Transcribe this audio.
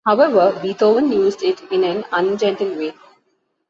However, Beethoven used it in an ungentle way.